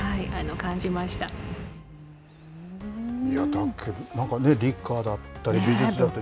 だけど、なんか理科だったり美術だったり